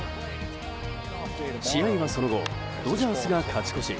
試合は、その後ドジャースが勝ち越し。